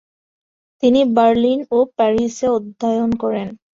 তিনি বার্লিন ও প্যারিসে অধ্যয়ন করেন।